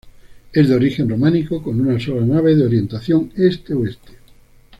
Es de origen románico, con una sola nave de orientación este-oeste.